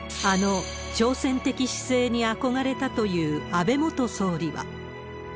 あの挑戦的姿勢に憧れたという安倍元総理は。